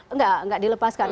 enggak enggak dilepaskan